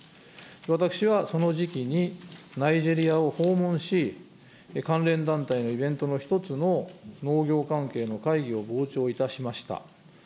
私はその時期にナイジェリアを訪問し、関連団体のイベントの１つの農業関係の会議を傍聴いたしました。